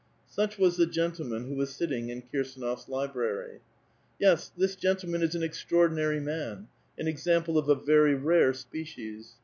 Such was the gentleman who was sitting in Kirsdnof's library. Yes, this gentleman is an extraordinary man, an example of a very rare species.